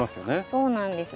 そうなんです。